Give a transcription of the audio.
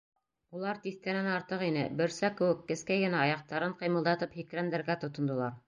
Улар тиҫтәнән артыҡ ине, бөрсә кеүек кескәй генә аяҡтарын ҡыймылдатып һикрәндәргә тотондолар.